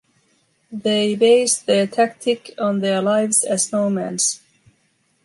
They based their tactic on their lives as nomads.